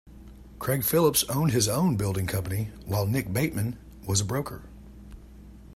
Craig Phillips owned his own building company, while Nick Bateman was a broker.